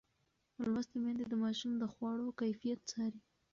لوستې میندې د ماشوم د خواړو کیفیت څاري.